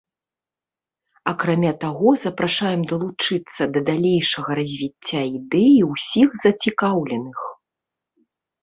Акрамя таго, запрашаем далучыцца да далейшага развіцця ідэі ўсіх зацікаўленых.